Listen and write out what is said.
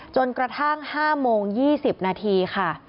กระทั่ง๕โมง๒๐นาทีค่ะ